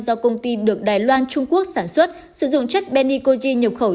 do công ty được đài loan trung quốc sản xuất sử dụng chất benikozy nhập khẩu